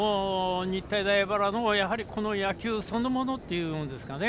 日体大荏原の野球そのものと言うんですかね